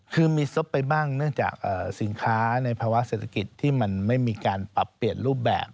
คือมีซบไปบ้างเนื่องจากสินค้าในภาวะเศรษฐกิจที่มันไม่มีการปรับเปลี่ยนรูปแบบ